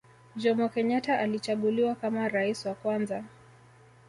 Jomo Kenyatta alichaguliwa kama rais wa kwanza